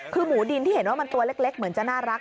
คือหมูดินที่เห็นว่ามันตัวเล็กเหมือนจะน่ารัก